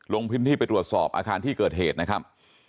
ลงพื้นที่ไปตรวจสอบอาคารที่เกิดเหตุนะครับ